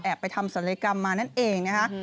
ไปทำศัลยกรรมมานั่นเองนะคะ